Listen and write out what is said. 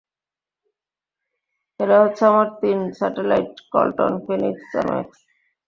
এরা হচ্ছে আমার তিন স্যাটেলাইটঃ কল্টন, ফিনিক্স, ম্যাক্স।